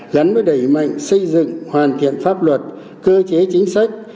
gắn với đẩy mạnh xây dựng hoàn thiện pháp luật cơ chế chính sách